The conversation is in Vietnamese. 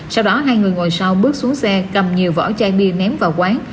sau đó hai người ngồi sau bước xuống xe cầm nhiều vỏ chai bia ném vào quán